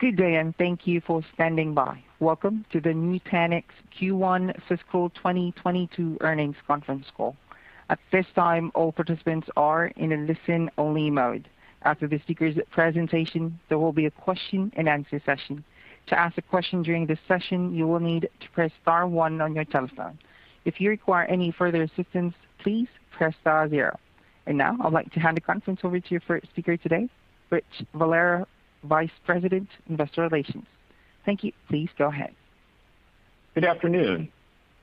Good day, thank you for standing by. Welcome to the Nutanix Q1 Fiscal 2022 Earnings Conference Call. At this time, all participants are in a listen-only mode. After the speaker's presentation, there will be a question-and-answer session. To ask a question during this session, you will need to press star one on your telephone. If you require any further assistance, please press star zero. Now I'd like to hand the conference over to your first speaker today, Rich Valera, Vice President, Investor Relations. Thank you. Please go ahead. Good afternoon,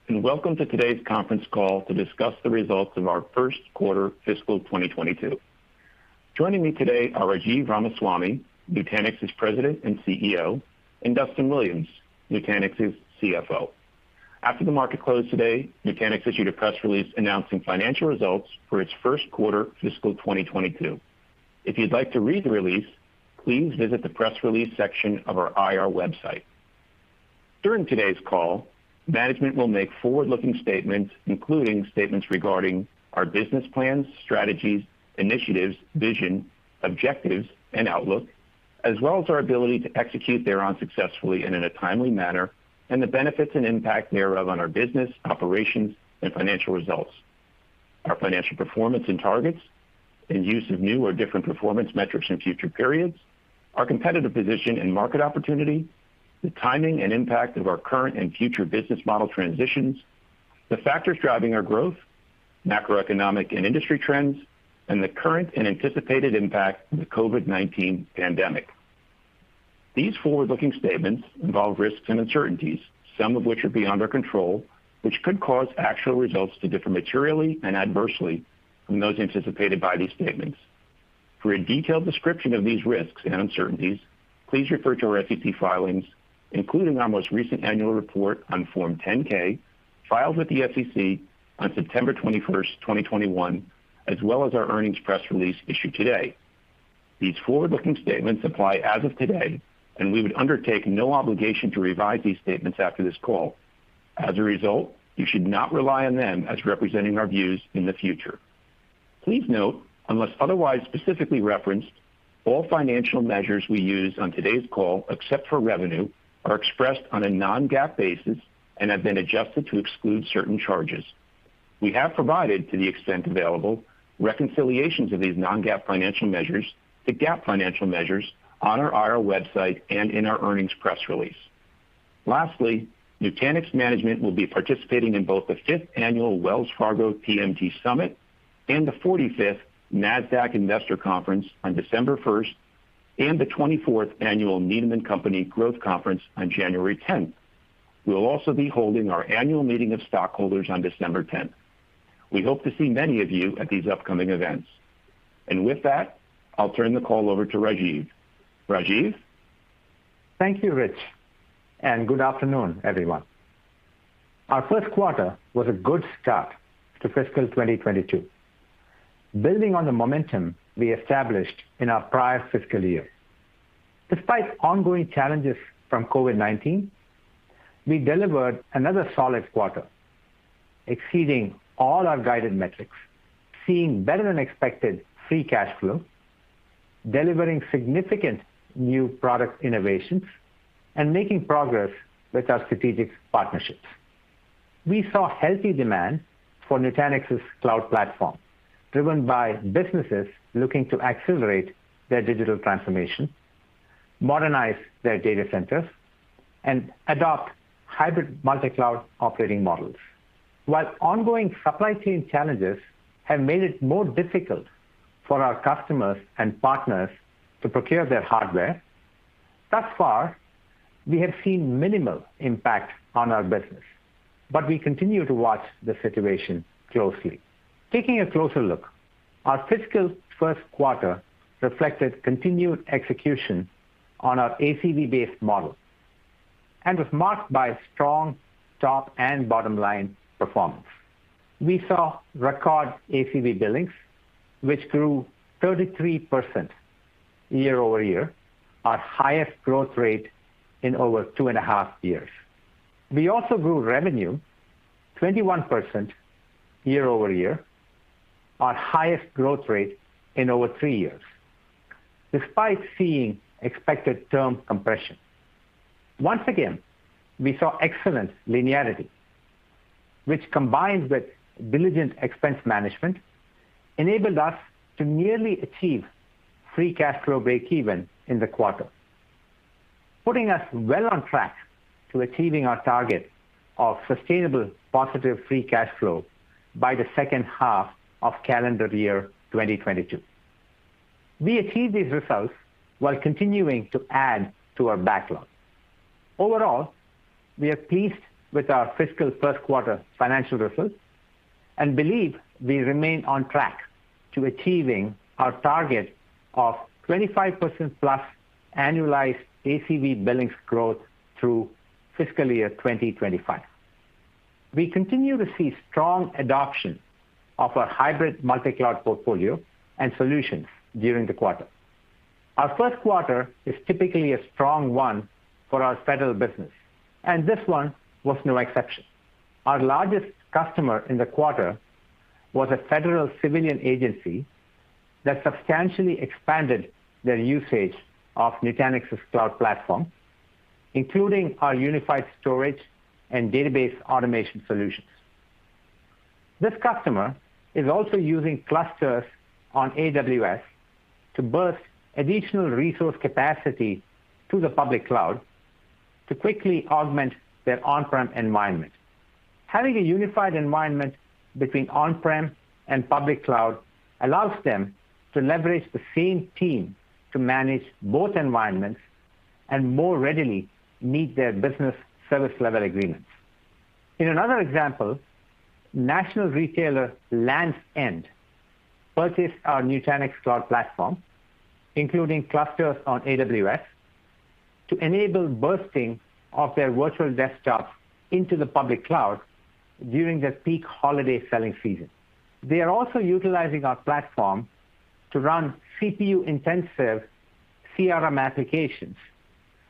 and welcome to today's conference call to discuss the results of our first quarter fiscal 2022. Joining me today are Rajiv Ramaswami, Nutanix's President and CEO, and Duston Williams, Nutanix's CFO. After the market closed today, Nutanix issued a press release announcing financial results for its first quarter fiscal 2022. If you'd like to read the release, please visit the press release section of our IR website. During today's call, management will make forward-looking statements, including statements regarding our business plans, strategies, initiatives, vision, objectives, and outlook. As well as our ability to execute thereon successfully and in a timely manner, and the benefits and impact thereof on our business, operations, and financial results, our financial performance and targets, and use of new or different performance metrics in future periods, our competitive position and market opportunity, the timing and impact of our current and future business model transitions, the factors driving our growth, macroeconomic and industry trends, and the current and anticipated impact of the COVID-19 pandemic. These forward-looking statements involve risks and uncertainties, some of which are beyond our control, which could cause actual results to differ materially and adversely from those anticipated by these statements. For a detailed description of these risks and uncertainties, please refer to our SEC filings, including our most recent annual report on Form 10-K, filed with the SEC on September 21, 2021, as well as our earnings press release issued today. These forward-looking statements apply as of today, and we would undertake no obligation to revise these statements after this call. As a result, you should not rely on them as representing our views in the future. Please note, unless otherwise specifically referenced, all financial measures we use on today's call, except for revenue, are expressed on a non-GAAP basis and have been adjusted to exclude certain charges. We have provided, to the extent available, reconciliations of these non-GAAP financial measures to GAAP financial measures on our IR website and in our earnings press release. Lastly, Nutanix management will be participating in both the fifth annual Wells Fargo TMT Summit and the 45th Nasdaq Investor Conference on December 1st, and the 24th annual Needham & Company Growth Conference on January 10. We will also be holding our annual meeting of stockholders on December 10. We hope to see many of you at these upcoming events. With that, I'll turn the call over to Rajiv. Rajiv. Thank you, Rich, and good afternoon, everyone. Our first quarter was a good start to fiscal 2022, building on the momentum we established in our prior fiscal year. Despite ongoing challenges from COVID-19, we delivered another solid quarter, exceeding all our guided metrics, seeing better than expected free cash flow, delivering significant new product innovations, and making progress with our strategic partnerships. We saw healthy demand for Nutanix's Cloud Platform, driven by businesses looking to accelerate their digital transformation, modernize their data centers, and adopt hybrid multi-cloud operating models. While ongoing supply chain challenges have made it more difficult for our customers and partners to procure their hardware, thus far, we have seen minimal impact on our business, but we continue to watch the situation closely. Taking a closer look, our fiscal first quarter reflected continued execution on our ACV-based model and was marked by strong top and bottom-line performance. We saw record ACV billings, which grew 33% year-over-year, our highest growth rate in over two and a half years. We also grew revenue 21% year-over-year, our highest growth rate in over three years, despite seeing expected term compression. Once again, we saw excellent linearity, which combined with diligent expense management, enabled us to nearly achieve free cash flow breakeven in the quarter. Putting us well on track to achieving our target of sustainable positive free cash flow by the second half of calendar year 2022. We achieved these results while continuing to add to our backlog. Overall, we are pleased with our fiscal first quarter financial results and believe we remain on track to achieving our target of 25%+ annualized ACV billings growth through fiscal year 2025. We continue to see strong adoption of our hybrid multi-cloud portfolio and solutions during the quarter. Our first quarter is typically a strong one for our federal business, and this one was no exception. Our largest customer in the quarter was a federal civilian agency that substantially expanded their usage of Nutanix Cloud Platform, including our unified storage and database automation solutions. This customer is also using clusters on AWS to burst additional resource capacity to the public cloud to quickly augment their on-prem environment. Having a unified environment between on-prem and public cloud allows them to leverage the same team to manage both environments and more readily meet their business service level agreements. In another example, national retailer Lands' End purchased our Nutanix Cloud Platform, including clusters on AWS, to enable bursting of their virtual desktops into the public cloud during their peak holiday selling season. They are also utilizing our platform to run CPU-intensive CRM applications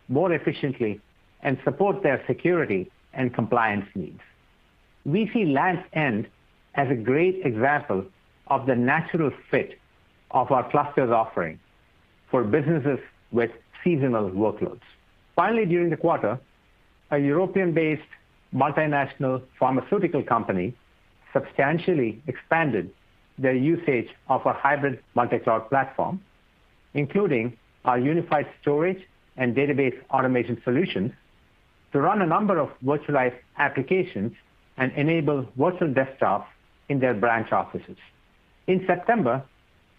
more efficiently and support their security and compliance needs. We see Lands' End as a great example of the natural fit of our clusters offering for businesses with seasonal workloads. Finally, during the quarter, a European-based multinational pharmaceutical company substantially expanded their usage of our hybrid multi-cloud platform, including our unified storage and database automation solutions, to run a number of virtualized applications and enable virtual desktops in their branch offices. In September,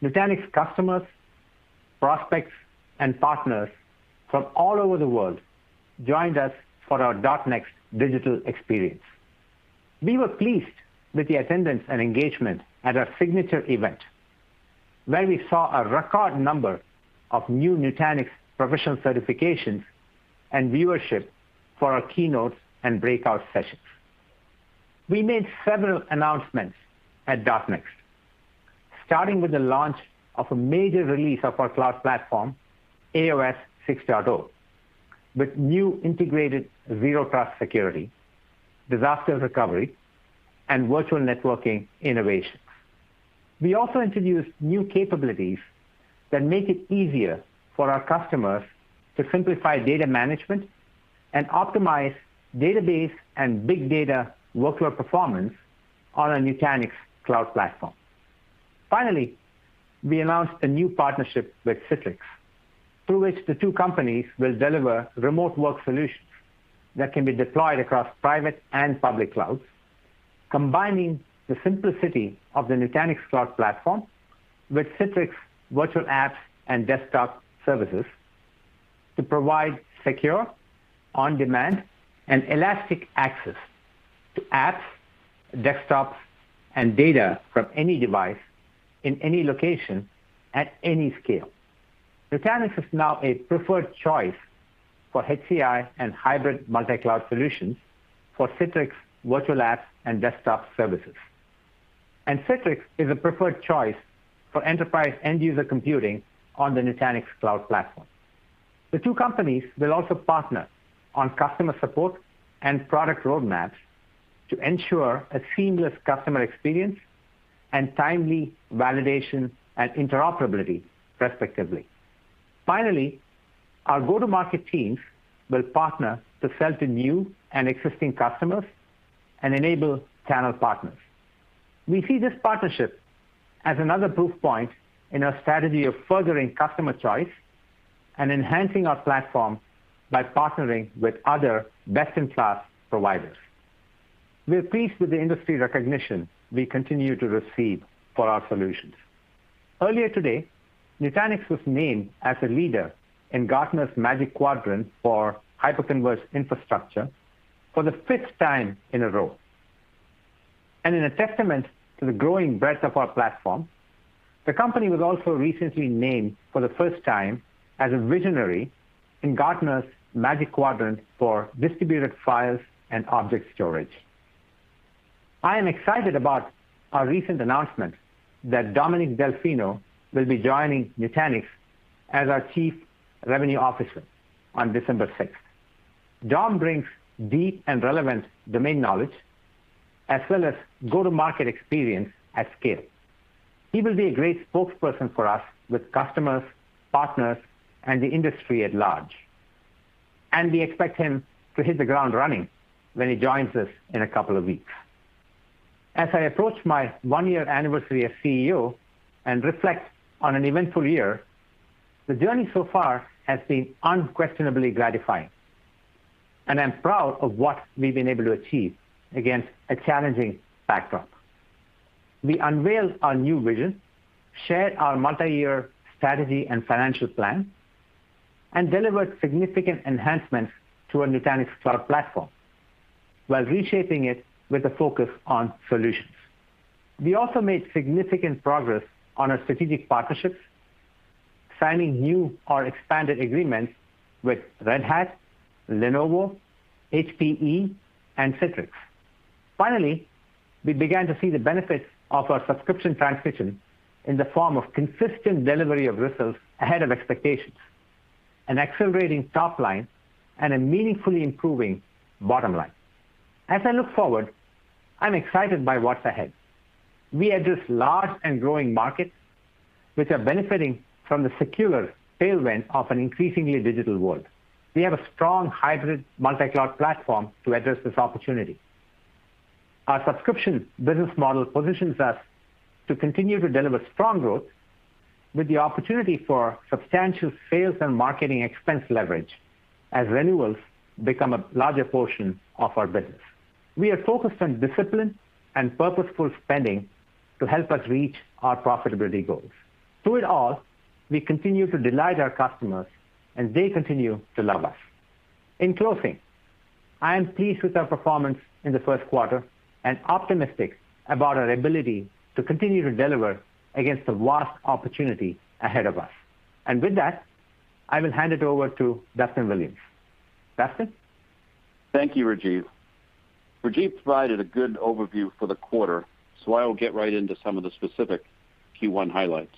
Nutanix customers, prospects, and partners from all over the world joined us for our .NEXT digital experience. We were pleased with the attendance and engagement at our signature event, where we saw a record number of new Nutanix professional certifications and viewership for our keynotes and breakout sessions. We made several announcements at .NEXT, starting with the launch of a major release of our cloud platform, AOS 6.0, with new integrated zero trust security, disaster recovery, and virtual networking innovations. We also introduced new capabilities that make it easier for our customers to simplify data management and optimize database and big data workload performance on our Nutanix Cloud Platform. Finally, we announced a new partnership with Citrix through which the two companies will deliver remote work solutions that can be deployed across private and public clouds, combining the simplicity of the Nutanix Cloud Platform with Citrix virtual apps and desktop services to provide secure, on-demand, and elastic access to apps, desktops, and data from any device in any location at any scale. Nutanix is now a preferred choice for HCI and hybrid multi-cloud solutions for Citrix virtual apps and desktop services. Citrix is a preferred choice for enterprise end user computing on the Nutanix Cloud Platform. The two companies will also partner on customer support and product roadmaps to ensure a seamless customer experience and timely validation and interoperability respectively. Finally, our go-to-market teams will partner to sell to new and existing customers and enable channel partners. We see this partnership as another proof point in our strategy of furthering customer choice and enhancing our platform by partnering with other best-in-class providers. We're pleased with the industry recognition we continue to receive for our solutions. Earlier today, Nutanix was named as a leader in Gartner's Magic Quadrant for Hyperconverged Infrastructure for the fifth time in a row. In a testament to the growing breadth of our platform, the company was also recently named for the first time as a visionary in Gartner's Magic Quadrant for Distributed File Systems and Object Storage. I am excited about our recent announcement that Dominick Delfino will be joining Nutanix as our Chief Revenue Officer on December 6th. Dom brings deep and relevant domain knowledge as well as go-to-market experience at scale. He will be a great spokesperson for us with customers, partners, and the industry at large. We expect him to hit the ground running when he joins us in a couple of weeks. As I approach my one-year anniversary as CEO and reflect on an eventful year, the journey so far has been unquestionably gratifying, and I'm proud of what we've been able to achieve against a challenging backdrop. We unveiled our new vision, shared our multi-year strategy and financial plan, and delivered significant enhancements to our Nutanix Cloud Platform while reshaping it with a focus on solutions. We also made significant progress on our strategic partnerships, signing new or expanded agreements with Red Hat, Lenovo, HPE, and Citrix. Finally, we began to see the benefits of our subscription transition in the form of consistent delivery of results ahead of expectations. An accelerating top line and a meaningfully improving bottom line. As I look forward, I'm excited by what's ahead. We address large and growing markets which are benefiting from the secular tailwind of an increasingly digital world. We have a strong hybrid multi-cloud platform to address this opportunity. Our subscription business model positions us to continue to deliver strong growth with the opportunity for substantial sales and marketing expense leverage as renewals become a larger portion of our business. We are focused on disciplined and purposeful spending to help us reach our profitability goals. Through it all, we continue to delight our customers and they continue to love us. In closing, I am pleased with our performance in the first quarter and optimistic about our ability to continue to deliver against the vast opportunity ahead of us. With that, I will hand it over to Duston Williams. Duston? Thank you, Rajiv. Rajiv provided a good overview for the quarter, so I will get right into some of the specific Q1 highlights.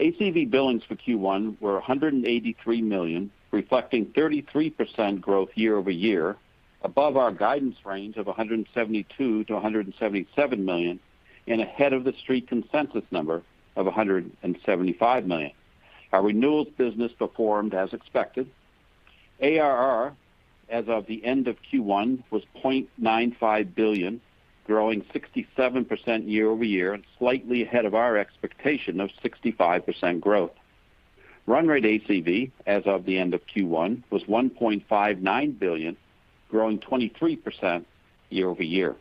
ACV billings for Q1 were $183 million, reflecting 33% growth year-over-year, above our guidance range of $172 million-$177 million, and ahead of the street consensus number of $175 million. Our renewals business performed as expected. ARR as of the end of Q1 was $0.95 billion, growing 67% year-over-year and slightly ahead of our expectation of 65% growth. Run rate ACV as of the end of Q1 was $1.59 billion, growing 23% year-over-year.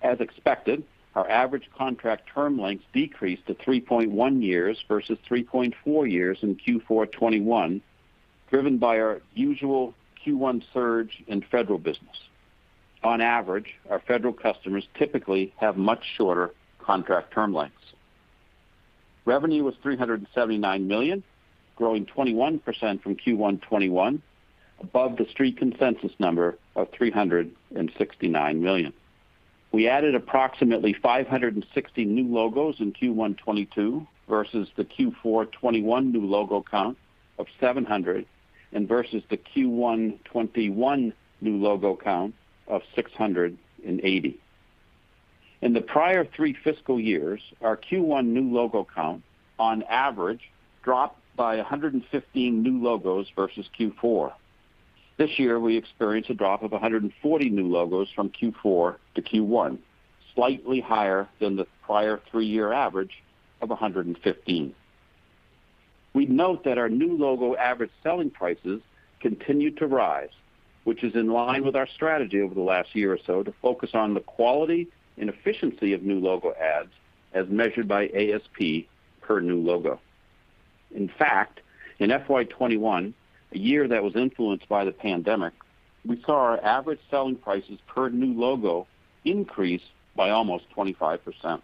As expected, our average contract term lengths decreased to 3.1 years versus 3.4 years in Q4 2021, driven by our usual Q1 surge in federal business. On average, our federal customers typically have much shorter contract term lengths. Revenue was $379 million, growing 21% from Q1 2021, above the street consensus number of $369 million. We added approximately 560 new logos in Q1 2022 versus the Q4 2021 new logo count of 700 versus the Q1 2021 new logo count of 680. In the prior three fiscal years, our Q1 new logo count on average dropped by 115 new logos versus Q4. This year we experienced a drop of 140 new logos from Q4 to Q1, slightly higher than the prior three-year average of 115. We note that our new logo average selling prices continued to rise, which is in line with our strategy over the last year or so to focus on the quality and efficiency of new logo adds as measured by ASP per new logo. In fact, in FY 2021, a year that was influenced by the pandemic, we saw our average selling prices per new logo increase by almost 25%.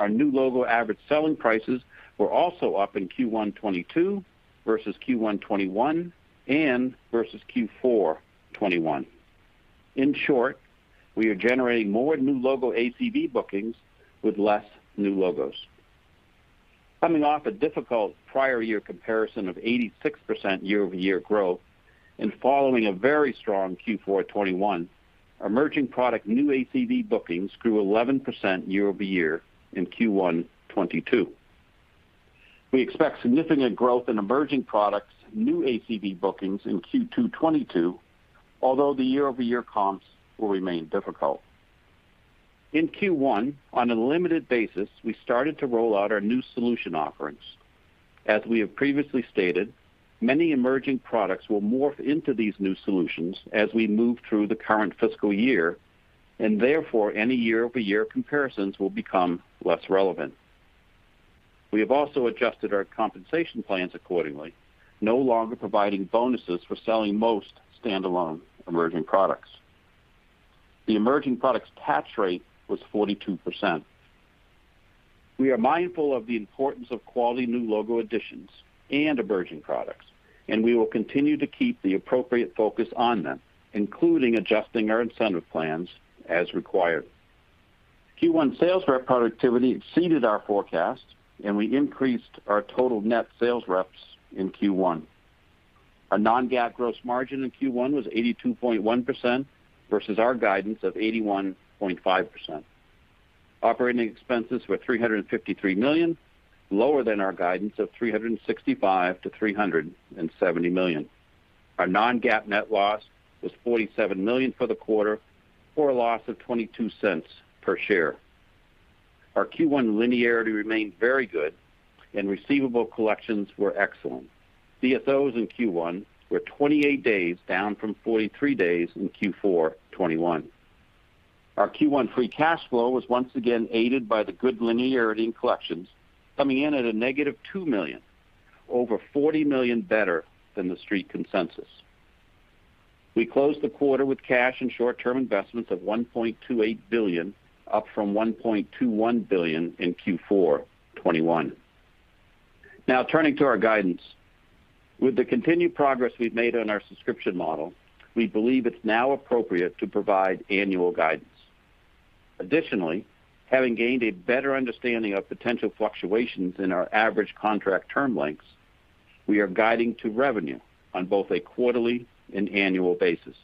Our new logo average selling prices were also up in Q1 2022 versus Q1 2021 and versus Q4 2021. In short, we are generating more new logo ACV bookings with less new logos. Coming off a difficult prior year comparison of 86% year-over-year growth and following a very strong Q4 2021, our emerging product new ACV bookings grew 11% year-over-year in Q1 2022. We expect significant growth in emerging products, new ACV bookings in Q2 2022, although the year-over-year comps will remain difficult. In Q1, on a limited basis, we started to roll out our new solution offerings. As we have previously stated, many emerging products will morph into these new solutions as we move through the current fiscal year, and therefore, any year-over-year comparisons will become less relevant. We have also adjusted our compensation plans accordingly, no longer providing bonuses for selling most standalone emerging products. The emerging products tax rate was 42%. We are mindful of the importance of quality new logo additions and emerging products, and we will continue to keep the appropriate focus on them, including adjusting our incentive plans as required. Q1 sales rep productivity exceeded our forecast, and we increased our total net sales reps in Q1. Our non-GAAP gross margin in Q1 was 82.1% versus our guidance of 81.5%. Operating expenses were $353 million, lower than our guidance of $365 million-$370 million. Our non-GAAP net loss was $47 million for the quarter, or a loss of $0.22 per share. Our Q1 linearity remained very good and receivable collections were excellent. DSOs in Q1 were 28 days, down from 43 days in Q4 2021. Our Q1 free cash flow was once again aided by the good linearity in collections, coming in at -$2 million, over $40 million better than the street consensus. We closed the quarter with cash and short-term investments of $1.28 billion, up from $1.21 billion in Q4 2021. Now turning to our guidance. With the continued progress we've made on our subscription model, we believe it's now appropriate to provide annual guidance. Additionally, having gained a better understanding of potential fluctuations in our average contract term lengths, we are guiding to revenue on both a quarterly and annual basis.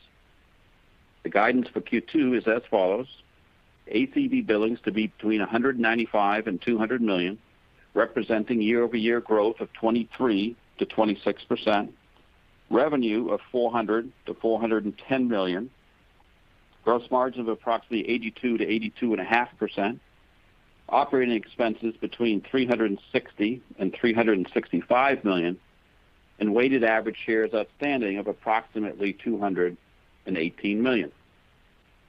The guidance for Q2 is as follows: ACV billings to be between $195 million and $200 million, representing year-over-year growth of 23%-26%. Revenue of $400 million-$410 million. Gross margin of approximately 82%-82.5%. Operating expenses between $360 million and $365 million. Weighted average shares outstanding of approximately 218 million.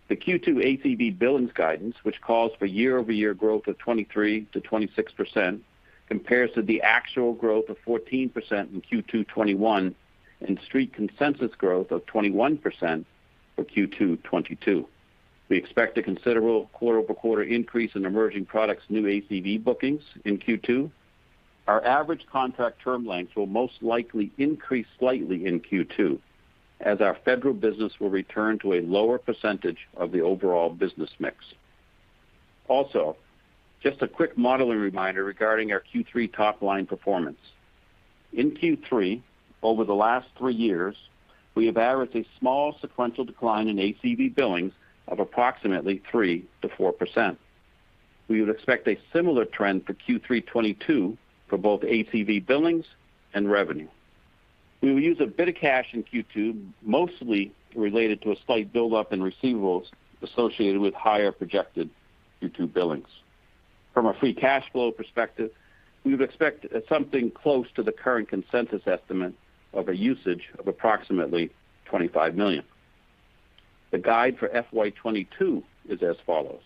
The Q2 ACV billings guidance, which calls for year-over-year growth of 23%-26%, compares to the actual growth of 14% in Q2 2021 and Street consensus growth of 21% for Q2 2022. We expect a considerable quarter-over-quarter increase in emerging products new ACV bookings in Q2. Our average contract term lengths will most likely increase slightly in Q2 as our federal business will return to a lower percentage of the overall business mix. Also, just a quick modeling reminder regarding our Q3 top line performance. In Q3, over the last three years, we have averaged a small sequential decline in ACV billings of approximately 3%-4%. We would expect a similar trend for Q3 2022 for both ACV billings and revenue. We will use a bit of cash in Q2, mostly related to a slight build-up in receivables associated with higher projected Q2 billings. From a free cash flow perspective, we would expect something close to the current consensus estimate of a usage of approximately $25 million. The guide for FY 2022 is as follows.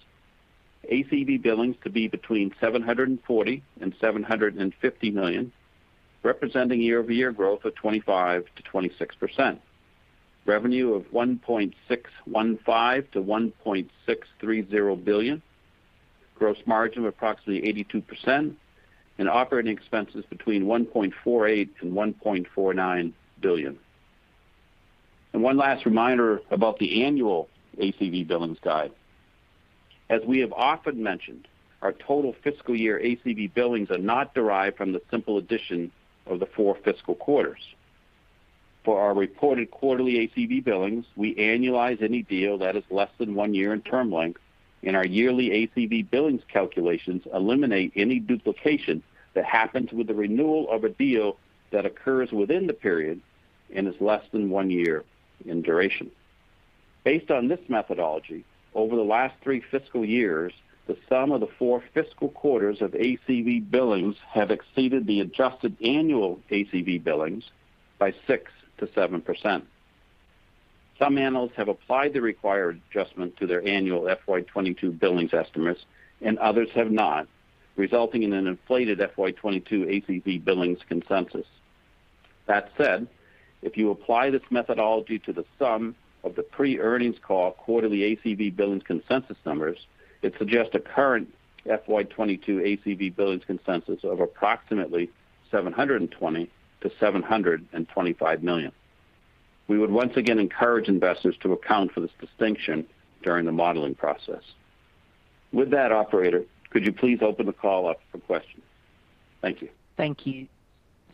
ACV billings to be between $740 million and $750 million, representing year-over-year growth of 25%-26%. Revenue of $1.615 billion-$1.630 billion. Gross margin of approximately 82%. Operating expenses between $1.48 billion and $1.49 billion. One last reminder about the annual ACV billings guide. As we have often mentioned, our total fiscal year ACV billings are not derived from the simple addition of the four fiscal quarters. For our reported quarterly ACV billings, we annualize any deal that is less than one year in term length, and our yearly ACV billings calculations eliminate any duplication that happens with the renewal of a deal that occurs within the period and is less than one year in duration. Based on this methodology, over the last three fiscal years, the sum of the four fiscal quarters of ACV billings have exceeded the adjusted annual ACV billings by 6%-7%. Some analysts have applied the required adjustment to their annual FY 2022 billings estimates and others have not, resulting in an inflated FY 2022 ACV billings consensus. That said, if you apply this methodology to the sum of the pre-earnings call quarterly ACV billings consensus numbers, it suggests a current FY 2022 ACV billings consensus of approximately $720 million-$725 million. We would once again encourage investors to account for this distinction during the modeling process. With that, operator, could you please open the call up for questions? Thank you. Thank you.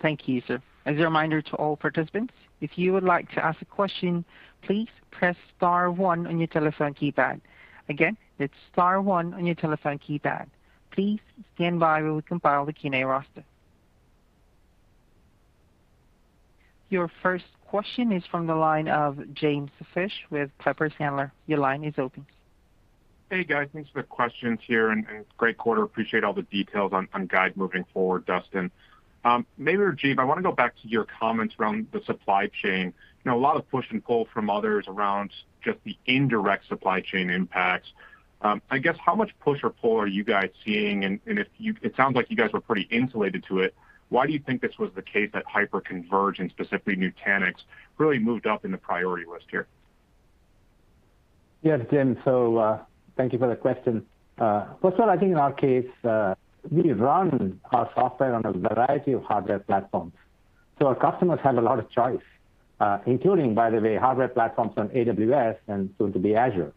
Thank you, sir. As a reminder to all participants, if you would like to ask a question, please press star one on your telephone keypad. Again, it's star one on your telephone keypad. Please stand by while we compile the Q&A roster. Your first question is from the line of James Fish with Piper Sandler. Your line is open. Hey, guys. Thanks for the questions here and great quarter. Appreciate all the details on guide moving forward, Duston. Maybe, Rajiv, I want to go back to your comments around the supply chain. You know, a lot of push and pull from others around just the indirect supply chain impacts. I guess how much push or pull are you guys seeing? It sounds like you guys were pretty insulated to it. Why do you think this was the case that hyperconverged, and specifically Nutanix, really moved up in the priority list here? Yes, James. Thank you for the question. First of all, I think in our case, we run our software on a variety of hardware platforms, so our customers have a lot of choice, including, by the way, hardware platforms on AWS and soon to be Azure.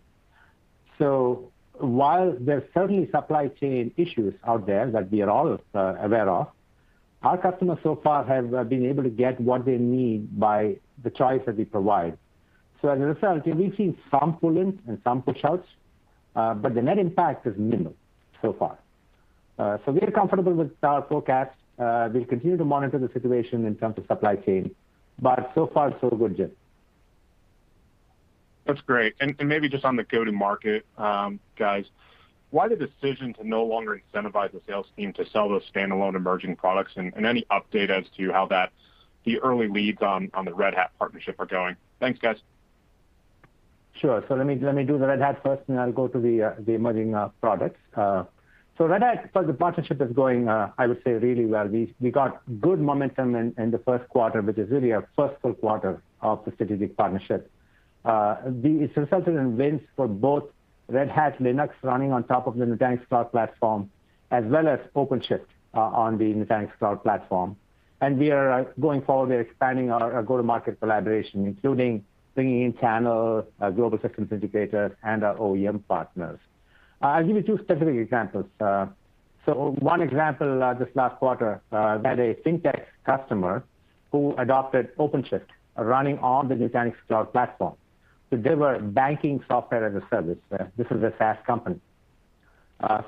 While there's certainly supply chain issues out there that we are all aware of, our customers so far have been able to get what they need by the choice that we provide. As a result, we've seen some pull-ins and some pushouts, but the net impact is minimal so far. We are comfortable with our forecast. We'll continue to monitor the situation in terms of supply chain, but so far so good, James. That's great. Maybe just on the go-to-market, guys, why the decision to no longer incentivize the sales team to sell those standalone emerging products? Any update as to how that, the early leads on the Red Hat partnership are going. Thanks, guys. Sure. Let me do the Red Hat first, and then I'll go to the emerging products. Red Hat, the partnership is going, I would say really well. We got good momentum in the first quarter, which is really our first full quarter of the strategic partnership. It's resulted in wins for both Red Hat Linux running on top of the Nutanix Cloud Platform, as well as OpenShift on the Nutanix Cloud Platform. We are going forward with expanding our go-to-market collaboration, including bringing in channel, Global Systems Integrators, and our OEM partners. I'll give you two specific examples. One example, just last quarter, we had a FinTech customer who adopted OpenShift running on the Nutanix Cloud Platform to deliver banking Software as a Service. This is a SaaS company.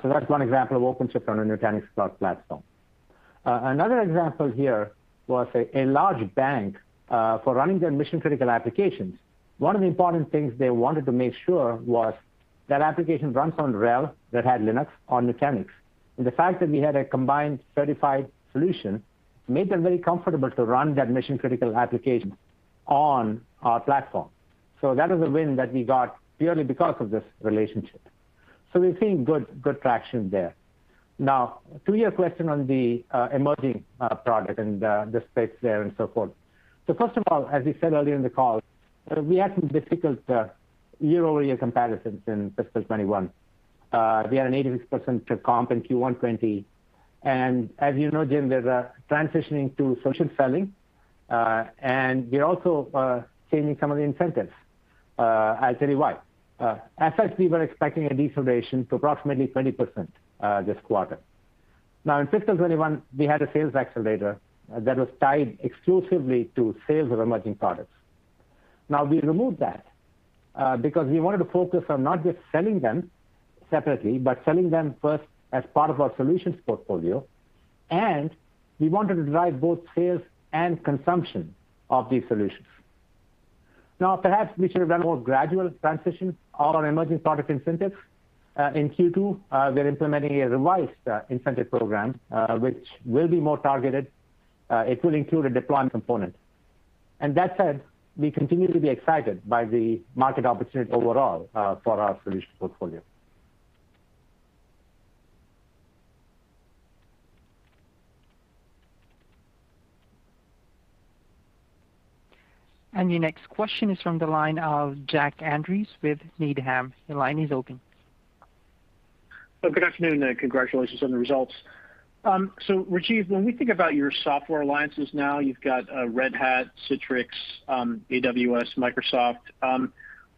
That's one example of OpenShift on a Nutanix Cloud Platform. Another example here was a large bank for running their mission-critical applications. One of the important things they wanted to make sure was that application runs on RHEL, that had Linux on Nutanix. The fact that we had a combined certified solution made them very comfortable to run that mission-critical application on our platform. That is a win that we got purely because of this relationship. We're seeing good traction there. Now, to your question on the emerging product and the space there and so forth. First of all, as we said earlier in the call, we had some difficult year-over-year comparisons in fiscal 2021. We had an 86% comp in Q1 2020. As you know, James, there's a transitioning to solution selling, and we're also changing some of the incentives. I'll tell you why. At first, we were expecting a deceleration to approximately 20% this quarter. Now, in fiscal 2021, we had a sales accelerator that was tied exclusively to sales of emerging products. Now, we removed that, because we wanted to focus on not just selling them separately, but selling them first as part of our solutions portfolio, and we wanted to drive both sales and consumption of these solutions. Now, perhaps we should have done a more gradual transition of our emerging product incentives. In Q2, we're implementing a revised incentive program, which will be more targeted. It will include a deployment component. That said, we continue to be excited by the market opportunity overall, for our solutions portfolio. Your next question is from the line of Jack Andrews with Needham. Your line is open. Good afternoon, and congratulations on the results. Rajiv, when we think about your software alliances now, you've got Red Hat, Citrix, AWS, Microsoft.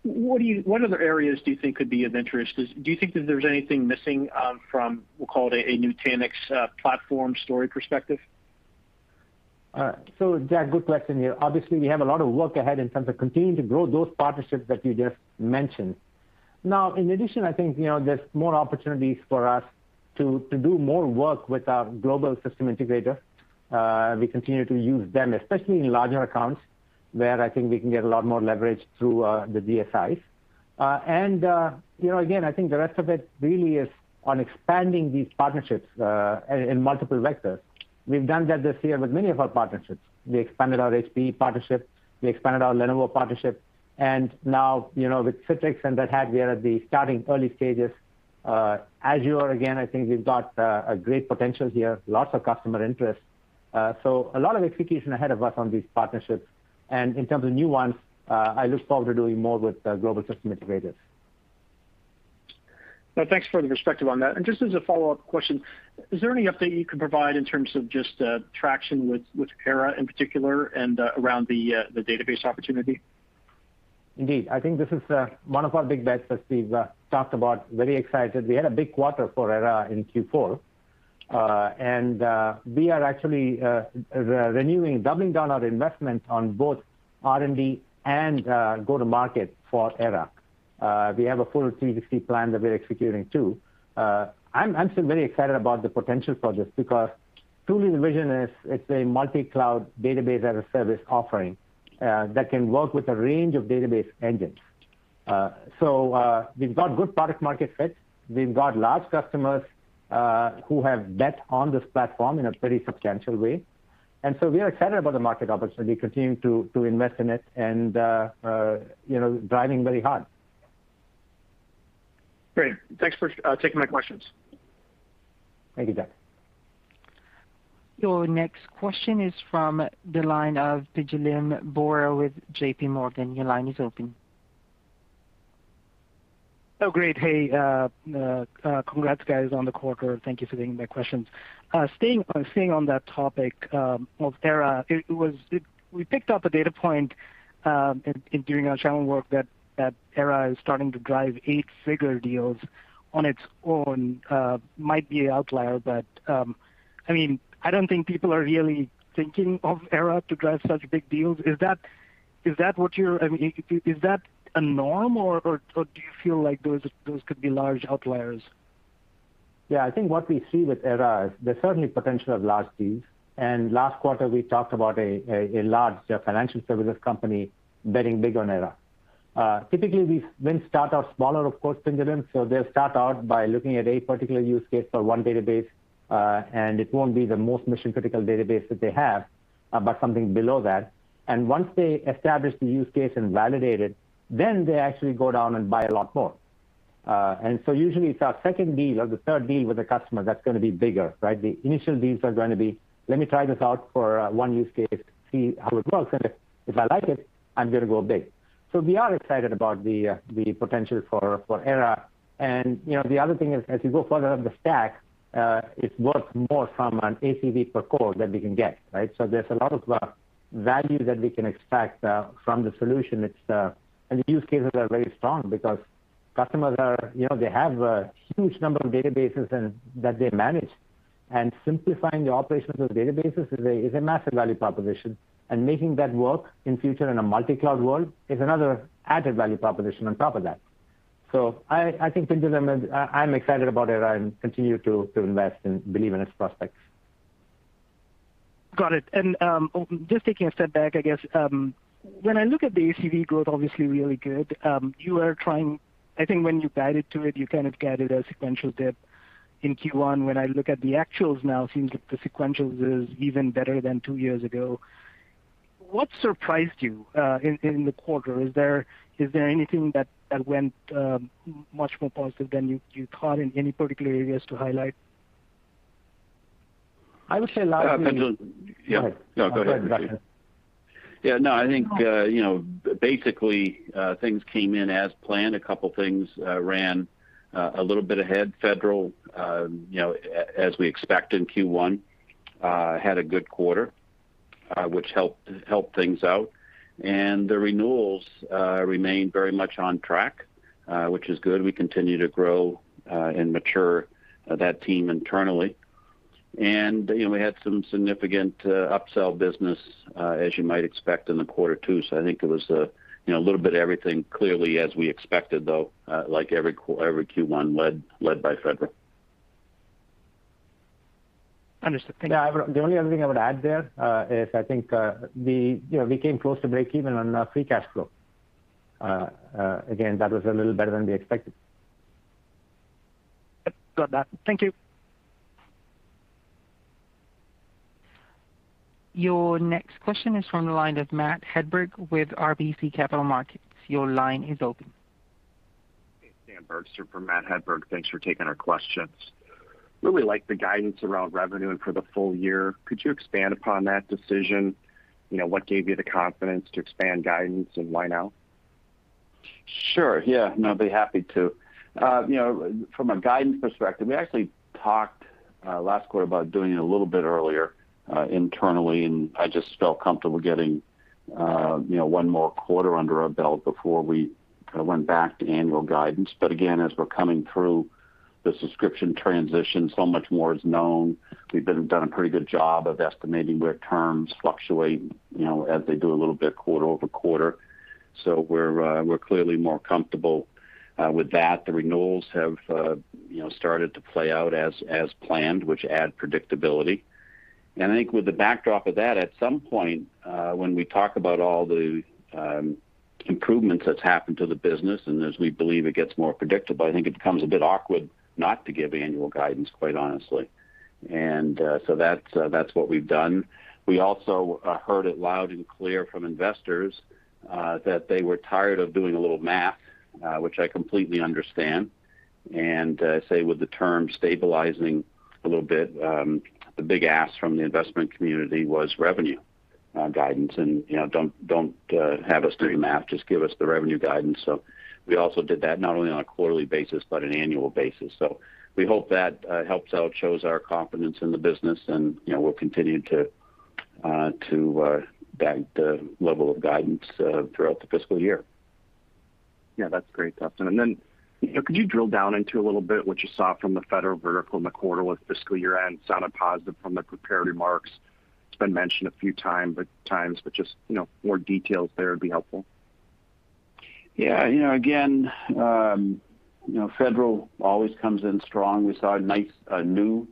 What other areas do you think could be of interest? Do you think that there's anything missing from we'll call it a Nutanix platform story perspective? Jack, good question here. Obviously, we have a lot of work ahead in terms of continuing to grow those partnerships that you just mentioned. Now, in addition, I think, you know, there's more opportunities for us to do more work with our global systems integrators. We continue to use them, especially in larger accounts, where I think we can get a lot more leverage through the GSIs. You know, again, I think the rest of it really is on expanding these partnerships in multiple vectors. We've done that this year with many of our partnerships. We expanded our HPE partnership, we expanded our Lenovo partnership, and now, you know, with Citrix and Red Hat, we are in the early stages. Azure, again, I think we've got a great potential here, lots of customer interest. A lot of execution ahead of us on these partnerships. In terms of new ones, I look forward to doing more with Global Systems Integrators. Well, thanks for the perspective on that. Just as a follow-up question, is there any update you can provide in terms of just traction with Era in particular and around the database opportunity? Indeed. I think this is one of our big bets that we've talked about. Very excited. We had a big quarter for Era in Q4. We are actually renewing, doubling down our investment on both R&D and go-to-market for Era. We have a full 360 plan that we're executing too. I'm still very excited about the potential for this because truly the vision is it's a multi-cloud database-as-a-service offering that can work with a range of database engines. So we've got good product market fit. We've got large customers who have bet on this platform in a pretty substantial way. We are excited about the market opportunity, continue to invest in it and you know, driving very hard. Great. Thanks for taking my questions. Thank you, Jack. Your next question is from the line of Pinjalim Bora with JPMorgan. Your line is open. Oh, great. Hey, congrats guys on the quarter. Thank you for taking my questions. Staying on that topic of Era, we picked up a data point in doing our channel work that Era is starting to drive eight-figure deals on its own. Might be an outlier, but I mean, I don't think people are really thinking of Era to drive such big deals. Is that a norm, or do you feel like those could be large outliers? Yeah. I think what we see with Era is there's certainly potential of large deals. Last quarter, we talked about a large financial services company betting big on Era. Typically, these wins start out smaller, of course, Pinjalim. They'll start out by looking at a particular use case for one database, and it won't be the most mission-critical database that they have, but something below that. Once they establish the use case and validate it, then they actually go down and buy a lot more. Usually it's our second deal or the third deal with a customer that's gonna be bigger, right? The initial deals are gonna be, let me try this out for one use case, see how it works, and if I like it, I'm gonna go big. We are excited about the potential for Era. You know, the other thing is, as you go further up the stack, it's worth more from an ACV per core that we can get, right? There's a lot of value that we can expect from the solution, it's, and the use cases are very strong because customers are, you know, they have a huge number of databases and that they manage. Simplifying the operations of those databases is a massive value proposition. Making that work in future in a multi-cloud world is another added value proposition on top of that. I think Pinjalim and I'm excited about it, and I continue to invest and believe in its prospects. Got it. Just taking a step back, I guess. When I look at the ACV growth, obviously really good, I think when you guide it to it, you kind of guided a sequential dip in Q1. When I look at the actuals now, it seems like the sequential is even better than two years ago. What surprised you in the quarter? Is there anything that went much more positive than you thought in any particular areas to highlight? I would say largely. Yeah. Go ahead. No, go ahead. Go ahead, Duston. Yeah, no, I think you know, basically, things came in as planned. A couple things ran a little bit ahead. Federal, you know, as we expect in Q1, had a good quarter, which helped things out. The renewals remained very much on track, which is good. We continue to grow and mature that team internally. You know, we had some significant upsell business as you might expect in the quarter too. I think it was, you know, a little bit of everything, clearly as we expected, though, like every Q1 led by Federal. Understood. Thank you. Yeah. The only other thing I would add there is I think we, you know, we came close to breakeven on free cash flow. Again, that was a little better than we expected. Yep. Got that. Thank you. Your next question is from the line of Matt Hedberg with RBC Capital Markets. Your line is open. Hey, Dan Bergstrom for Matt Hedberg. Thanks for taking our questions. I really like the guidance around revenue and for the full year. Could you expand upon that decision? You know, what gave you the confidence to expand guidance, and why now? Sure, yeah. No, I'd be happy to. You know, from a guidance perspective, we actually talked last quarter about doing it a little bit earlier internally, and I just felt comfortable getting you know, one more quarter under our belt before we kind of went back to annual guidance. But again, as we're coming through the subscription transition, so much more is known. We've done a pretty good job of estimating where terms fluctuate, you know, as they do a little bit quarter over quarter. So we're clearly more comfortable with that. The renewals have you know, started to play out as planned, which add predictability. I think with the backdrop of that, at some point, when we talk about all the improvements that's happened to the business, and as we believe it gets more predictable, I think it becomes a bit awkward not to give annual guidance, quite honestly. That's what we've done. We also heard it loud and clear from investors that they were tired of doing a little math, which I completely understand. So, with the term stabilizing a little bit, the big ask from the investment community was revenue guidance. You know, don't have us do the math, just give us the revenue guidance. We also did that not only on a quarterly basis but an annual basis. We hope that helps out, shows our confidence in the business and, you know, we'll continue to back the level of guidance throughout the fiscal year. Yeah, that's great, Duston. You know, could you drill down into a little bit what you saw from the federal vertical in the quarter with fiscal year-end? Sounded positive from the prepared remarks. It's been mentioned a few times, but just, you know, more details there would be helpful. Yeah. You know, again, you know, Federal always comes in strong. We saw nice new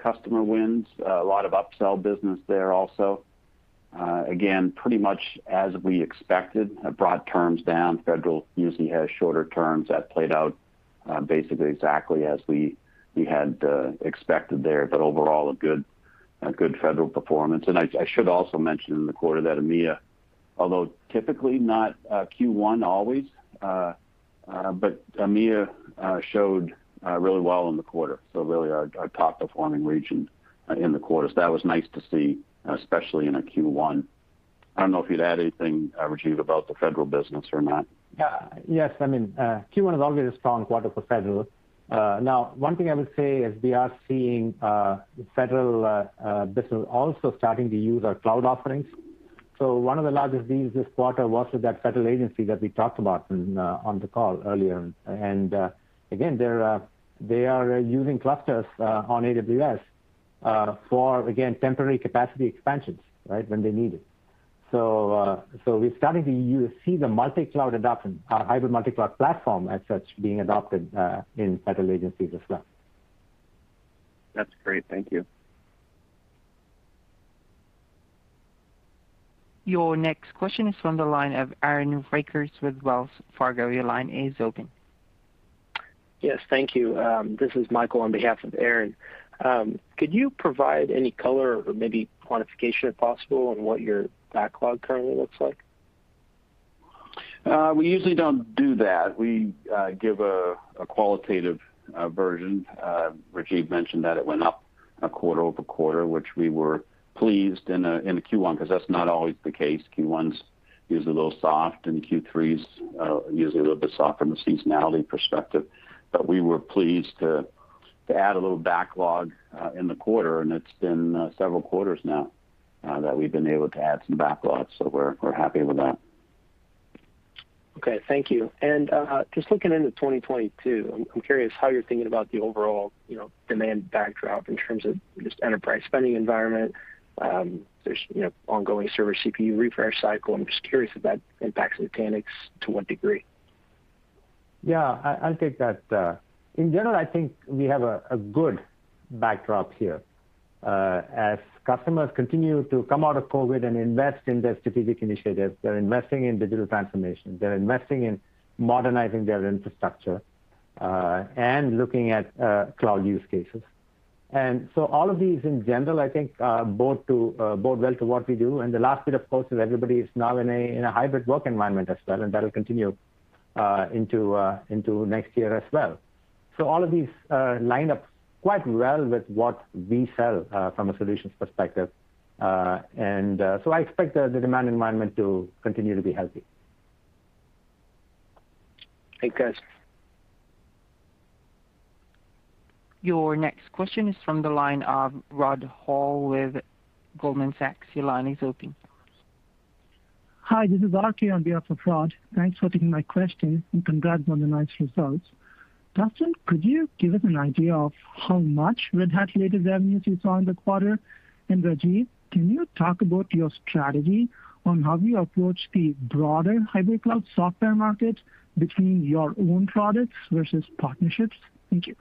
customer wins, a lot of upsell business there also. Again, pretty much as we expected, broad terms down. Federal usually has shorter terms. That played out basically exactly as we had expected there. Overall, a good Federal performance. I should also mention in the quarter that EMEA, although typically not Q1 always, but EMEA showed really well in the quarter, so really our top-performing region in the quarter. That was nice to see, especially in a Q1. I don't know if you'd add anything, Rajiv, about the Federal business or not. Yeah. Yes. I mean, Q1 is always a strong quarter for Federal. Now, one thing I would say is we are seeing Federal business also starting to use our cloud offerings. One of the largest deals this quarter was with that Federal agency that we talked about on the call earlier. Again, they are using clusters on AWS for temporary capacity expansions, right? When they need it. We're starting to see the multi-cloud adoption, our hybrid multi-cloud platform as such being adopted in Federal agencies as well. That's great. Thank you. Your next question is from the line of Aaron Rakers with Wells Fargo. Your line is open. Yes. Thank you. This is Michael on behalf of Aaron. Could you provide any color or maybe quantification, if possible, on what your backlog currently looks like? We usually don't do that. We give a qualitative version. Rajiv mentioned that it went up quarter-over-quarter, which we were pleased in the Q1, 'cause that's not always the case. Q1's usually a little soft, and Q3's usually a little bit soft from a seasonality perspective. We were pleased to add a little backlog in the quarter, and it's been several quarters now that we've been able to add some backlogs, so we're happy with that. Okay. Thank you. Just looking into 2022, I'm curious how you're thinking about the overall, you know, demand backdrop in terms of just enterprise spending environment. There's, you know, ongoing server CPU refresh cycle. I'm just curious if that impacts Nutanix, to what degree. Yeah. I'll take that. In general, I think we have a good backdrop here. As customers continue to come out of COVID and invest in their strategic initiatives, they're investing in digital transformation, they're investing in modernizing their infrastructure, and looking at cloud use cases. All of these in general, I think, bode well to what we do. The last bit, of course, is everybody is now in a hybrid work environment as well, and that'll continue into next year as well. All of these line up quite well with what we sell from a solutions perspective. I expect the demand environment to continue to be healthy. Thanks, guys. Your next question is from the line of Rod Hall with Goldman Sachs. Your line is open. Hi, this is Archie on behalf of Rod. Thanks for taking my question, and congrats on the nice results. Duston, could you give us an idea of how much Red Hat-related revenues you saw in the quarter? Rajiv, can you talk about your strategy on how you approach the broader hybrid cloud software market between your own products versus partnerships? Thank you.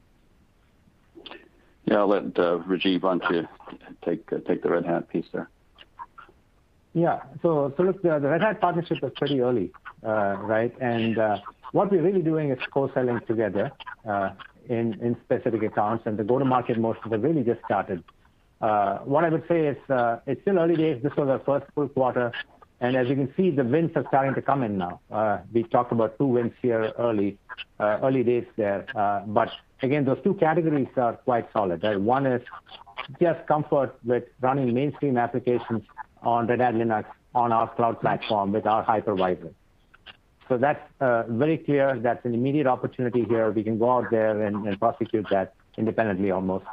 Yeah. I'll let Rajiv answer. Take the Red Hat piece there. Yeah. Look, the Red Hat partnership is pretty early, right? What we're really doing is co-selling together in specific accounts and the go-to-market motion has really just started. What I would say is, it's still early days. This was our first full quarter, and as you can see, the wins are starting to come in now. We talked about two wins here early days there. Again, those two categories are quite solid, right? One is just comfort with running mainstream applications on Red Hat Linux on our cloud platform with our hypervisor. That's very clear. That's an immediate opportunity here. We can go out there and prosecute that independently almost.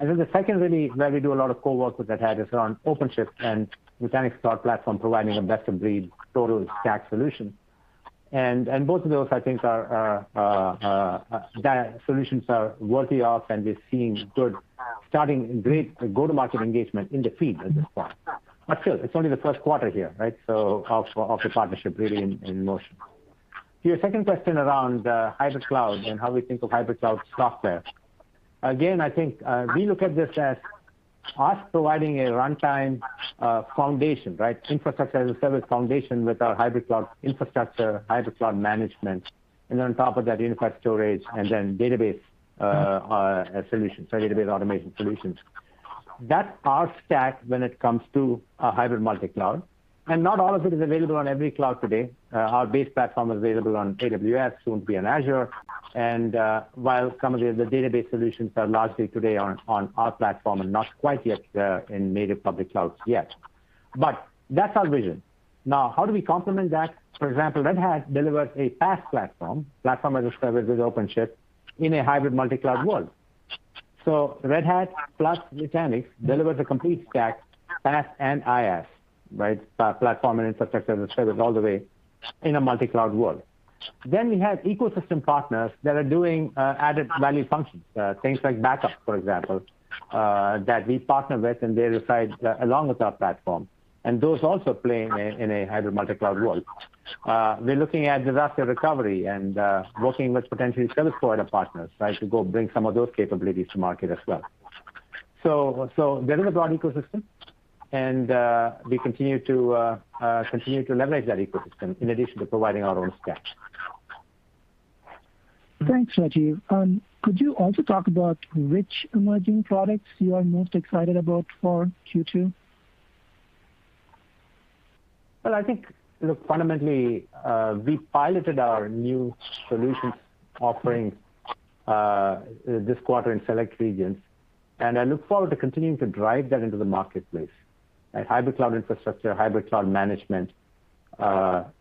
Then the second really where we do a lot of co-work with Red Hat is around OpenShift and Nutanix Cloud Platform providing a best-of-breed total stack solution. Both of those, I think, are that solutions are worthy of, and we're seeing good starting and great go-to-market engagement in the field at this point. Still, it's only the first quarter here, right? Of the partnership really in motion. To your second question around hybrid cloud and how we think of hybrid cloud software. Again, I think, we look at this as us providing a runtime foundation, right? Infrastructure as a Service foundation with our hybrid cloud infrastructure, hybrid cloud management, and on top of that, unified storage and then database solutions. Database automation solutions. That's our stack when it comes to a hybrid multicloud. Not all of it is available on every cloud today. Our base platform is available on AWS, soon to be on Azure. While some of the database solutions are largely today on our platform and not quite yet in native public clouds yet. That's our vision. Now, how do we complement that? For example, Red Hat delivers a PaaS Platform as a service with OpenShift in a hybrid multi-cloud world. Red Hat plus Nutanix delivers a complete stack, PaaS and IaaS, right? Platform and Infrastructure as a service all the way in a multi-cloud world. We have ecosystem partners that are doing added value functions, things like backup, for example, that we partner with, and they reside along with our platform. Those also play in a hybrid multi-cloud world. We're looking at disaster recovery and working with potentially service provider partners, right? To go bring some of those capabilities to market as well. So there is a broad ecosystem, and we continue to leverage that ecosystem in addition to providing our own stack. Thanks, Rajiv. Could you also talk about which emerging products you are most excited about for Q2? Well, I think, look, fundamentally, we piloted our new solutions offering this quarter in select regions, and I look forward to continuing to drive that into the marketplace, right? Hybrid cloud infrastructure, hybrid cloud management,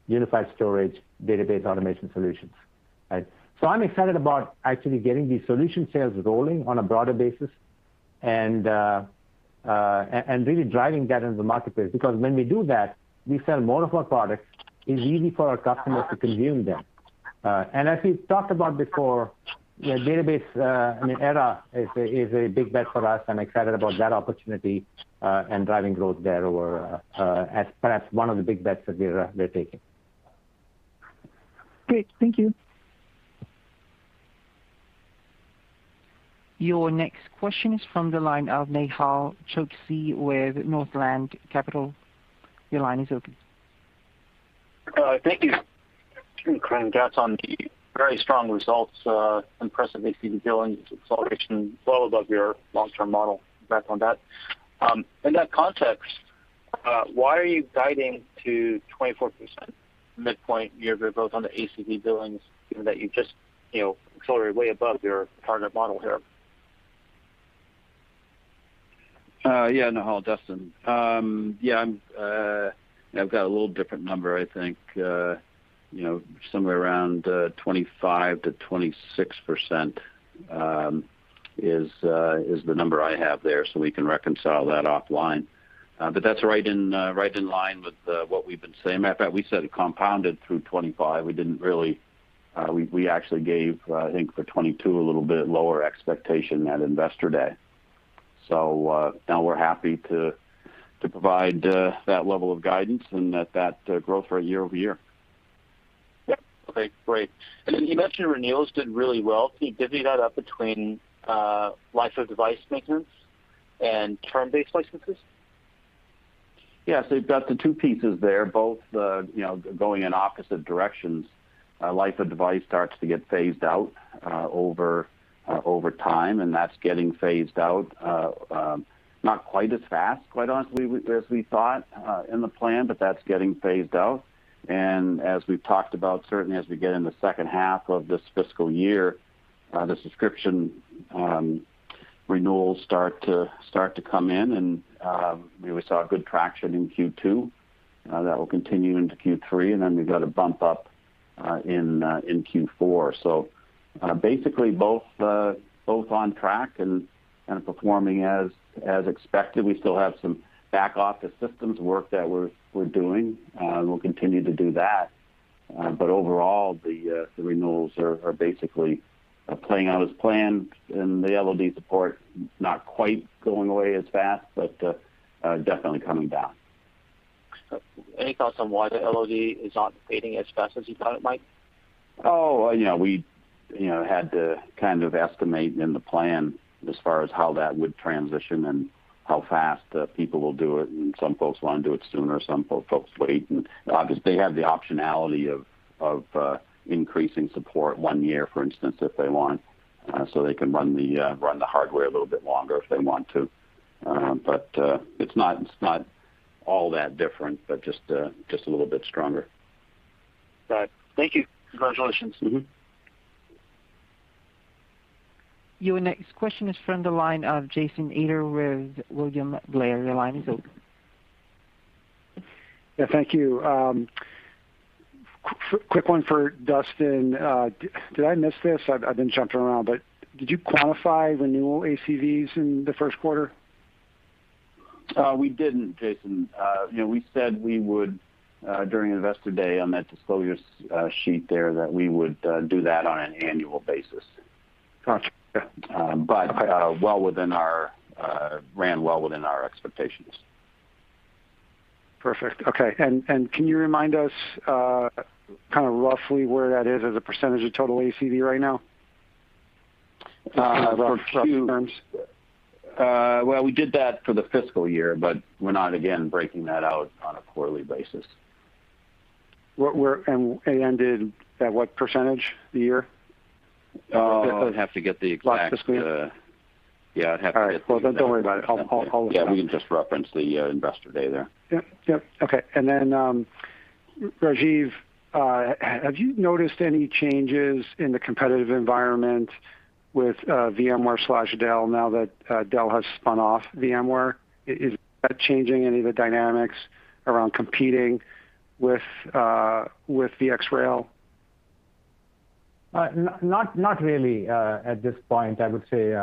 unified storage, database automation solutions, right? I'm excited about actually getting these solution sales rolling on a broader basis and really driving that into the marketplace. Because when we do that, we sell more of our products. It's easy for our customers to consume them. As we've talked about before, you know, database, I mean, Era is a big bet for us. I'm excited about that opportunity and driving growth there or as perhaps one of the big bets that we're taking. Great. Thank you. Your next question is from the line of Nehal Chokshi with Northland Capital Markets. Your line is open. Thank you. Congrats on the very strong results. Impressive ACV billings acceleration well above your long-term model. Congrats on that. In that context, why are you guiding to 24% midpoint year-over-year growth on the ACV billings given that you just, you know, accelerated way above your target model here? Yeah, Nehal, Duston. Yeah, I've got a little different number, I think. You know, somewhere around 25%-26% is the number I have there, so we can reconcile that offline. But that's right in line with what we've been saying. Matter of fact, we said it compounded through 25. We actually gave, I think for 22 a little bit lower expectation at Investor Day. Now we're happy to provide that level of guidance and that growth rate year-over-year. Yep. Okay, great. You mentioned renewals did really well. Can you divvy that up between life of device maintenance and term-based licenses? Yes, we've got the two pieces there, both, you know, going in opposite directions. Life of device starts to get phased out over time, and that's getting phased out not quite as fast, quite honestly, as we thought in the plan, but that's getting phased out. As we've talked about, certainly as we get in the second half of this fiscal year, the subscription renewals start to come in and we saw good traction in Q2 that will continue into Q3, and then we've got a bump up in Q4. Basically both on track and performing as expected. We still have some back office systems work that we're doing and we'll continue to do that. Overall, the renewals are basically playing out as planned, and the LOD support not quite going away as fast, but definitely coming down. Any thoughts on why the LOD is not fading as fast as you thought it might? You know, we had to kind of estimate in the plan as far as how that would transition and how fast people will do it, and some folks want to do it sooner, some folks wait. Obviously, they have the optionality of increasing support one year, for instance, if they want, so they can run the hardware a little bit longer if they want to. But it's not all that different, but just a little bit stronger. Got it. Thank you. Congratulations. Mm-hmm. Your next question is from the line of Jason Ader with William Blair. Your line is open. Yeah, thank you. Quick one for Duston. Did I miss this? I've been jumping around, but did you quantify renewal ACVs in the first quarter? We didn't, Jason. You know, we said we would during Investor Day on that disclosure sheet there, that we would do that on an annual basis. Gotcha. Well within our range, well within our expectations. Perfect. Okay. Can you remind us, kind of roughly, where that is as a percentage of total ACV right now? Uh, for Q- Rough terms. Well, we did that for the fiscal year, but we're not again breaking that out on a quarterly basis. It ended at what percentage of the year? Oh, I'd have to get the exact. Last fiscal year. Yeah, I'd have to get the All right. Well, don't worry about it. I'll- Yeah, we can just reference the Investor Day there. Yep, yep. Okay. Rajiv, have you noticed any changes in the competitive environment with VMware/Dell now that Dell has spun off VMware? Is that changing any of the dynamics around competing with VxRail? Not really, at this point, I would say,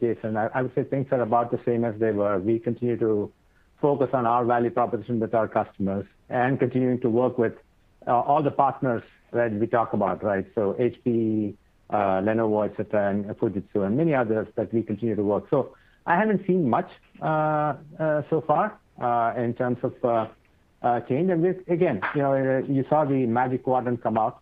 Jason. I would say things are about the same as they were. We continue to focus on our value proposition with our customers and continuing to work with all the partners that we talk about, right? So HPE, Lenovo, etc., and Fujitsu and many others that we continue to work. I haven't seen much so far in terms of a change. Again, you know, you saw the Magic Quadrant come out,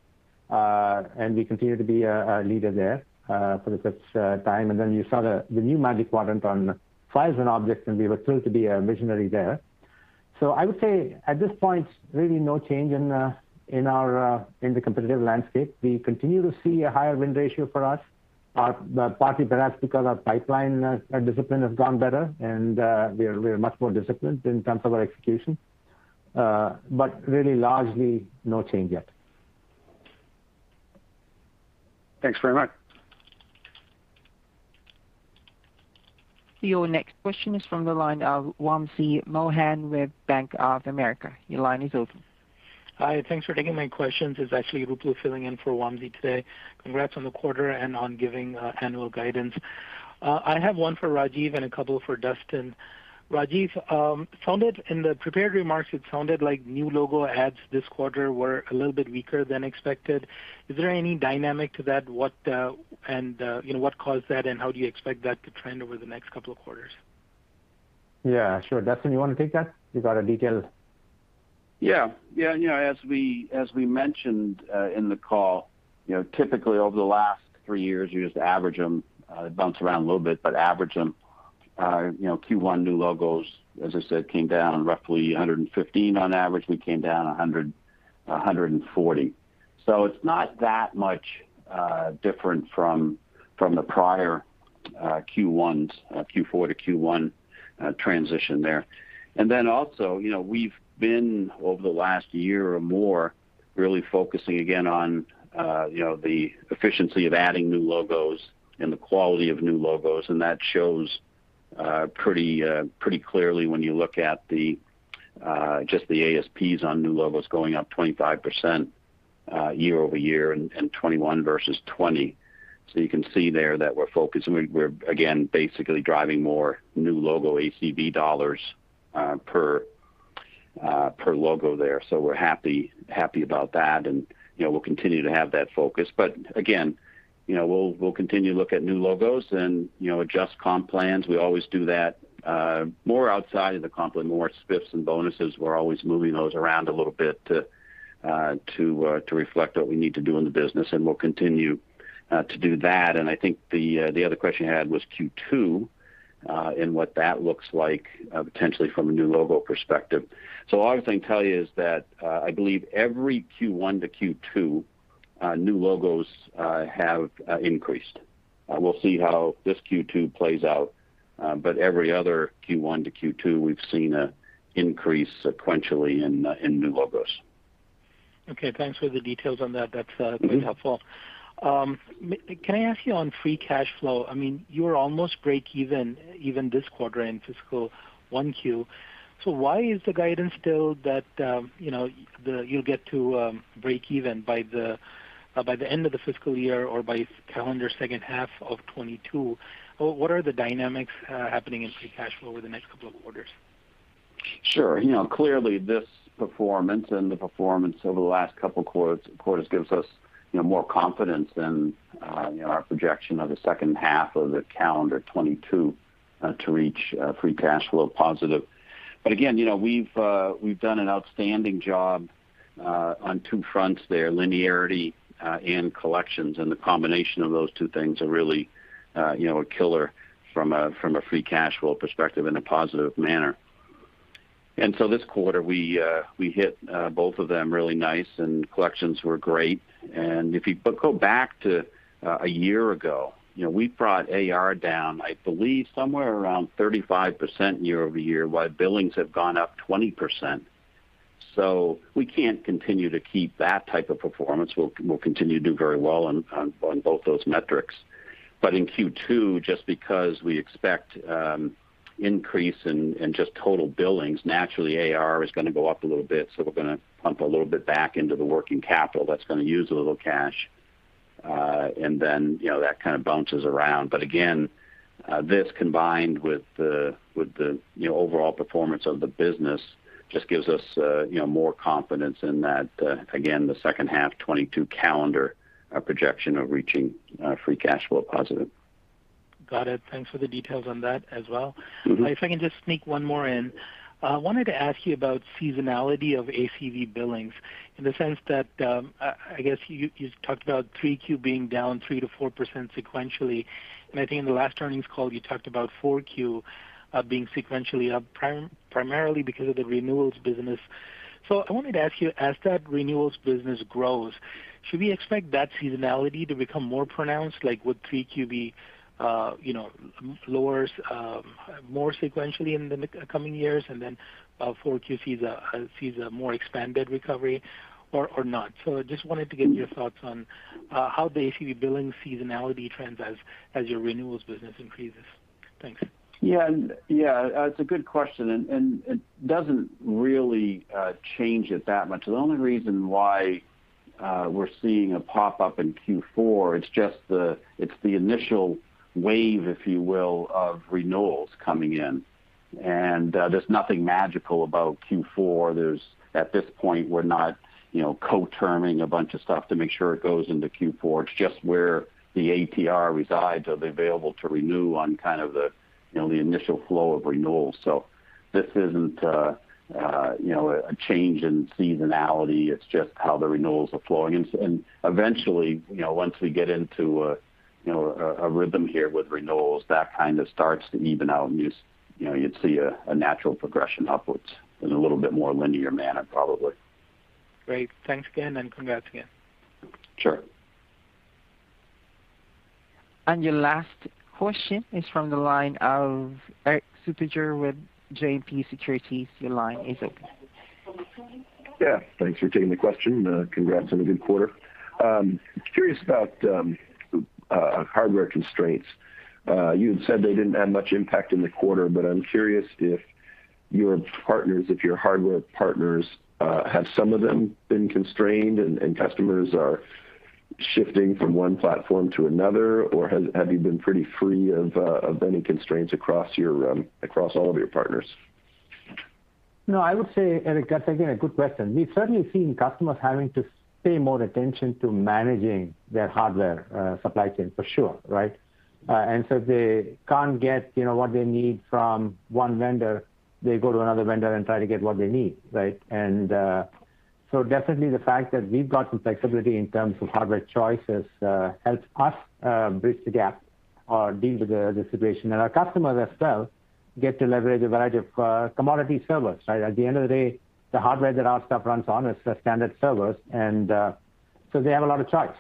and we continue to be a leader there for the fifth time. Then you saw the new Magic Quadrant on files and objects, and we were thrilled to be a visionary there. I would say at this point, really no change in our in the competitive landscape. We continue to see a higher win ratio for us, partly perhaps because our pipeline discipline has gotten better and we are much more disciplined in terms of our execution. Really largely no change yet. Thanks very much. Your next question is from the line of Wamsi Mohan with Bank of America. Your line is open. Hi. Thanks for taking my questions. It's actually Ruplu filling in for Wamsi today. Congrats on the quarter and on giving annual guidance. I have one for Rajiv and a couple for Duston. Rajiv, in the prepared remarks, it sounded like new logo adds this quarter were a little bit weaker than expected. Is there any dynamic to that? What and you know, what caused that, and how do you expect that to trend over the next couple of quarters? Yeah, sure. Duston, you want to take that? You got a detail? You know, as we mentioned in the call, you know, typically over the last three years, you just average them. They bounce around a little bit, but average them. You know, Q1 new logos, as I said, came down roughly 115 on average. We came down 140. So it's not that much different from the prior Q1s, Q4 to Q1 transition there. You know, we've been over the last year or more, really focusing again on, you know, the efficiency of adding new logos and the quality of new logos, and that shows pretty clearly when you look at just the ASPs on new logos going up 25% year-over-year and 21% versus 20%. You can see there that we're focused. We're again basically driving more new logo ACV dollars per logo there. We're happy about that and, you know, we'll continue to have that focus. Again, you know, we'll continue to look at new logos and, you know, adjust comp plans. We always do that more outside of the comp plan, more spiffs and bonuses. We're always moving those around a little bit to reflect what we need to do in the business, and we'll continue to do that. I think the other question you had was Q2 and what that looks like potentially from a new logo perspective. The only thing I can tell you is that I believe every Q1 to Q2 new logos have increased. We'll see how this Q2 plays out. Every other Q1 to Q2, we've seen an increase sequentially in new logos. Okay, thanks for the details on that. That's quite helpful. Can I ask you on free cash flow? I mean, you're almost breakeven even this quarter in fiscal 1Q. So why is the guidance still that you'll get to breakeven by the end of the fiscal year or by calendar second half of 2022? Or what are the dynamics happening in free cash flow over the next couple of quarters? Sure. You know, clearly this performance and the performance over the last couple quarters gives us, you know, more confidence in, you know, our projection of the second half of the calendar 2022 to reach free cash flow positive. Again, you know, we've done an outstanding job on two fronts there, linearity and collections. The combination of those two things are really, you know, a killer from a free cash flow perspective in a positive manner. This quarter we hit both of them really nice and collections were great. If you but go back to a year ago, you know, we brought AR down, I believe somewhere around 35% year-over-year, while billings have gone up 20%. We can't continue to keep that type of performance. We'll continue to do very well on both those metrics. In Q2, just because we expect increase in just total billings, naturally AR is gonna go up a little bit, so we're gonna pump a little bit back into the working capital. That's gonna use a little cash. Then, you know, that kind of bounces around. Again, this combined with the, you know, overall performance of the business just gives us, you know, more confidence in that, again, the second half 2022 calendar, our projection of reaching, free cash flow positive. Got it. Thanks for the details on that as well. Mm-hmm. If I can just sneak one more in. I wanted to ask you about seasonality of ACV billings in the sense that, I guess you talked about Q3 being down 3%-4% sequentially. I think in the last earnings call you talked about Q4 being sequentially up primarily because of the renewals business. I wanted to ask you, as that renewals business grows, should we expect that seasonality to become more pronounced, like would Q3 be, you know, lower more sequentially in the coming years and then, Q4 sees a more expanded recovery or not? I just wanted to get your thoughts on how the ACV billing seasonality trends as your renewals business increases. Thanks. Yeah. Yeah, it's a good question and it doesn't really change it that much. The only reason why we're seeing a pop up in Q4, it's just the initial wave, if you will, of renewals coming in. There's nothing magical about Q4. At this point, we're not, you know, co-terming a bunch of stuff to make sure it goes into Q4. It's just where the ATR resides. They are available to renew on kind of the, you know, the initial flow of renewals. This isn't a change in seasonality, it's just how the renewals are flowing. Eventually, you know, once we get into a rhythm here with renewals, that kind of starts to even out and you know, you'd see a natural progression upwards in a little bit more linear manner, probably. Great. Thanks again and congrats again. Sure. Your last question is from the line of Erik Suppiger with JMP Securities. Your line is open. Yeah. Thanks for taking the question. Congrats on a good quarter. I'm curious about hardware constraints. You had said they didn't have much impact in the quarter, but I'm curious if your hardware partners have some of them been constrained and customers are shifting from one platform to another, or have you been pretty free of any constraints across all of your partners? No, I would say, Erik, that's again, a good question. We've certainly seen customers having to pay more attention to managing their hardware, supply chain for sure, right? They can't get, you know, what they need from one vendor, they go to another vendor and try to get what they need, right? Definitely the fact that we've got some flexibility in terms of hardware choices, helps us bridge the gap or deal with the situation. Our customers as well get to leverage a variety of commodity servers, right? At the end of the day, the hardware that our stuff runs on is the standard servers and so they have a lot of choice.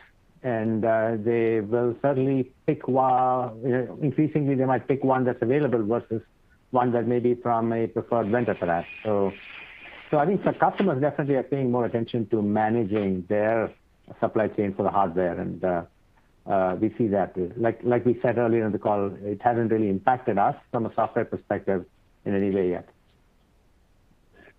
They will certainly pick one increasingly, they might pick one that's available versus one that may be from a preferred vendor for that. So I think the customers definitely are paying more attention to managing their supply chain for the hardware and we see that. Like we said earlier in the call, it hasn't really impacted us from a software perspective in any way yet.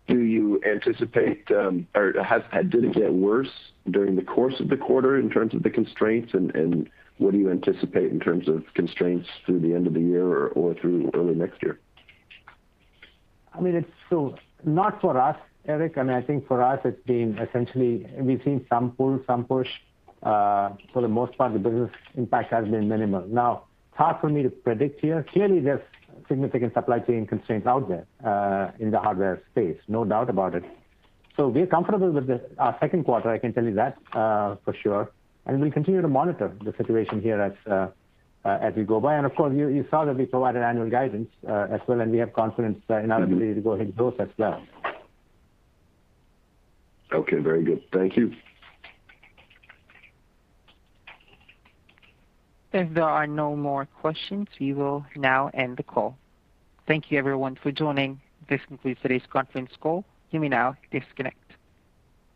Do you anticipate, or did it get worse during the course of the quarter in terms of the constraints and what do you anticipate in terms of constraints through the end of the year or through early next year? I mean it's not for us, Erik. I mean, I think for us it's been essentially we've seen some pull, some push. For the most part, the business impact has been minimal. Now, it's hard for me to predict here. Clearly, there's significant supply chain constraints out there in the hardware space, no doubt about it. We're comfortable with our second quarter, I can tell you that for sure. We'll continue to monitor the situation here as we go by. Of course, you saw that we provided annual guidance as well, and we have confidence in our ability to go hit those as well. Okay. Very good. Thank you. If there are no more questions, we will now end the call. Thank you everyone for joining. This concludes today's conference call. You may now disconnect.